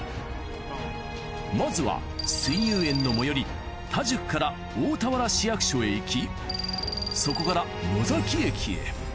まずは水遊園の最寄り田宿から大田原市役所へ行きそこから野崎駅へ。